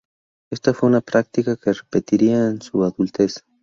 Esta fue una práctica que repetiría en su adultez.